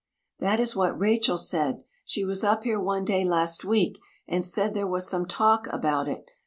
"That is what Rachel said. She was up here one day last week and said there was some talk about it.